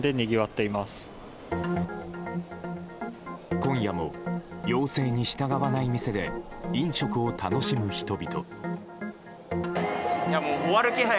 今夜も、要請に従わない店で飲食を楽しむ人々。